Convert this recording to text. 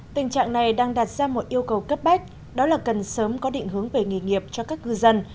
tình trạng này đang đặt ra một yêu cầu cấp bách đó là cần sớm có định hướng về nghề nghiệp cho các cư dân